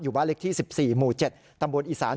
อยู่ว่าเล็กที่๑๔หมู่๗ตำบวนอิสาน